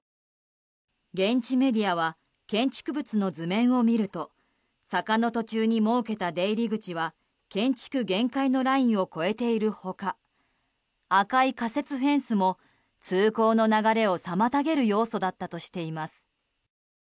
現地メディアは建築物の図面を見ると坂の途中に設けた出入り口は建築限界のラインを超えている他赤い仮設フェンスも通行の流れを妨げる要素だったとしています。